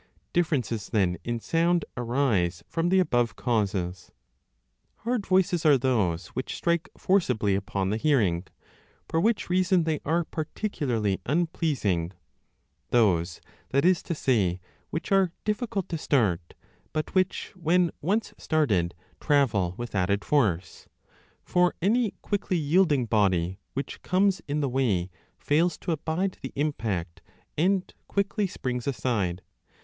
Differences, then, in sound arise from the above causes. 30 Hard voices are those which strike forcibly upon the hearing ; for which reason they are particularly unpleasing those, that is to say, which are .difficult to start, but which when once started travel with added force for any quickly yielding body which comes in the way fails to abide the impact and quickly springs aside.